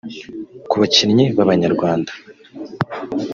Ku bakinnyi b’Abanyarwanda